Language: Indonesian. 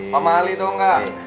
pamali tau nggak